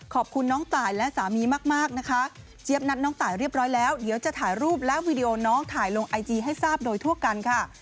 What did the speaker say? ขอบคุณน้องตายและสามีมากนะคะเจี๊ยบนัดน้องตายเรียบร้อยแล้วเดี๋ยวจะถ่ายรูปและวีดีโอน้องถ่ายลงไอจีให้ทราบโดยทั่วกันค่ะ